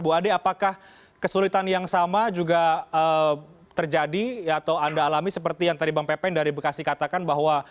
bu ade apakah kesulitan yang sama juga terjadi atau anda alami seperti yang tadi bang pepen dari bekasi katakan bahwa